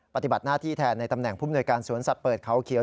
ปฏิบัติหน้าที่แทนในตำแหน่งผู้มนวยการสวนสัตว์เปิดเขาเขียว